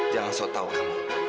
jangan sotau kamu